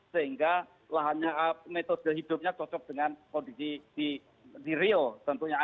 sehingga lahannya metode hidupnya cocok dengan kondisi di rio tentunya